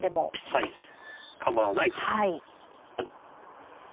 はい構わないと。